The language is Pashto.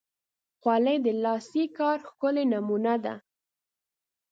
خولۍ د لاسي کار ښکلی نمونه ده.